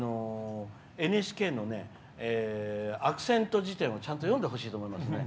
ＮＨＫのアクセント辞典をちゃんと読んでほしいと思います。